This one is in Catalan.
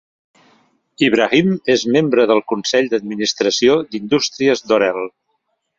Ibrahim és membre del consell d'administració de Indústries Dorel.